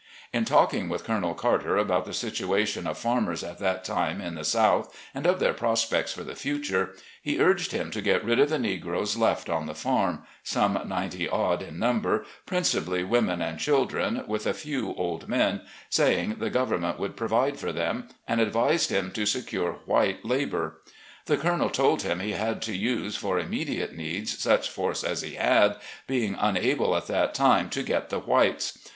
In talking with Colonel Carter about the situation of farmers at that time in the South, and of their prospects for the future, he ttrged him to get rid of the negroes left on the farm — some ninety odd in nxunber, principally women and children, with a few old men — saying the government would provide for them, and advised him to secure white labour. The Colonel told him he had to use, for immediate needs, such force as he had, being unable at that time to get the whites.